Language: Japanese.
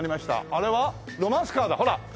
あれはロマンスカーだほら。